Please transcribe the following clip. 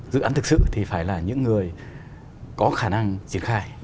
dự án thực sự thì phải là những người có khả năng triển khai